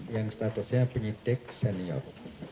yang statusnya penyitik senior